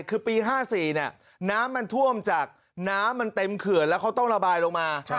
คือปี๕๔น้ำมันท่วมจากน้ำมันเต็มเขื่อนแล้วเขาต้องระบายลงมา